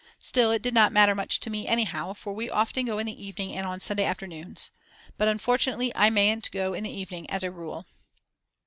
Still, it did not matter much to me anyhow for we often go in the evening and on Sunday afternoons. But unfortunately I mayn't go in the evening as a rule.